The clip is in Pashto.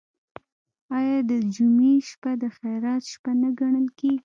آیا د جمعې شپه د خیرات شپه نه ګڼل کیږي؟